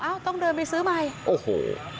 เอ้าต้องเดินไปซื้อไปโอ้โห